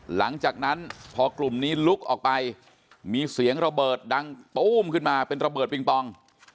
หลังจากนั้นพอกลุ่มนี้ลุกออกไปมีเสียงระเบิดดังตู้มขึ้นมาเป็นระเบิดปิงปอง